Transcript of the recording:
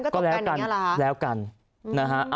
ก็ตกกันอย่างนี้เหรอฮะ